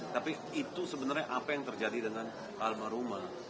tapi itu sebenarnya apa yang terjadi dengan almarhumah